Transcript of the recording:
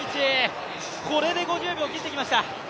これで５０秒を切ってきました。